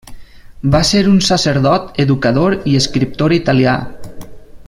Va ser un sacerdot, educador i escriptor italià.